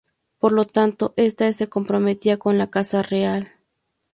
Por lo tanto, esta se comprometía con la Casa Real.